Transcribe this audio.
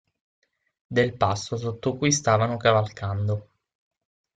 Del passo sotto cui stavano cavalcando.